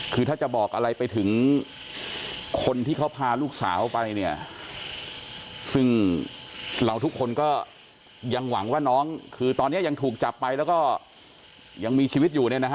คือถ้าจะบอกอะไรไปถึงคนที่เค้าพาลูกสาวไปเนี่ย